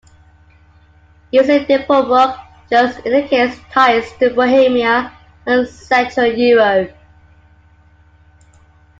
Using Nepomuk just indicates ties to Bohemia and central Europe.